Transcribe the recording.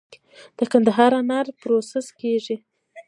د قندهار انار پروسس کیږي؟